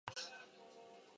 Dantzan egitea gustuko duzu?